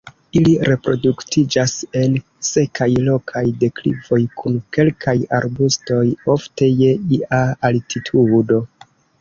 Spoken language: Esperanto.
Ili reproduktiĝas en sekaj rokaj deklivoj kun kelkaj arbustoj, ofte je ia altitudo.